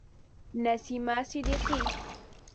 نسیمه صدیقی